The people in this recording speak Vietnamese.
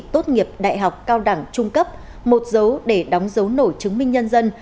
tốt nghiệp đại học cao đẳng trung cấp một dấu để đóng dấu nổi chứng minh nhân dân